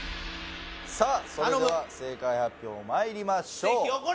それでは正解発表まいりましょう頼む！